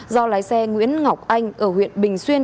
do lái xe nguyễn ngọc anh ở huyện bình xuyên